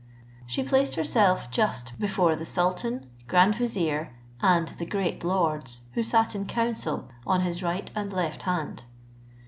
She placed herself just before the sultan, grand vizier, and the great lords, who sat in council, on his right and left hand.